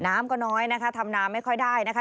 น้ำก็น้อยนะคะทำน้ำไม่ค่อยได้นะคะ